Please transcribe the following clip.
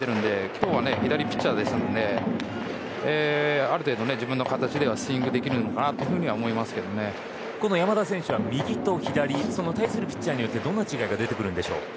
今日は左ピッチャーですのである程度、自分の形ではスイングできるのかなと山田選手は右と左対するピッチャーによってどんな違いが出てくるんですか。